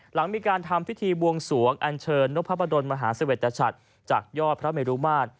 หลังมีการทำพิธีบวงสวกอัญชนพระบัดดนมหาเสวศจรรย์จากย่อพระเมรุมาตร